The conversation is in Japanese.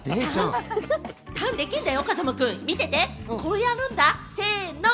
ターンできるんだよ、風間君。見てね、こうやるんだ、せの！